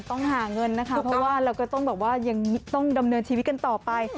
ต้องหาเงินนะค่ะเพราะว่าเราก็ต้องดำเนินชีวิตกันต่อไป